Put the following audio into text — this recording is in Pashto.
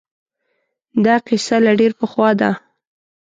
دا قصه له ډېر پخوا ده